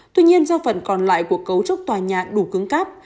tuy nhiên do phần còn lại của cấu trúc tòa nhà đủ cứng cắp